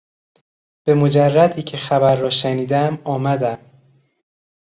به مجردی که خبر را شنیدم آمدم.